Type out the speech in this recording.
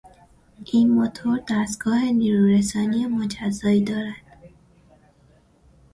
این موتور دستگاه نیرو رسانی مجزایی دارد.